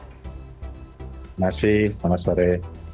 terima kasih selamat sore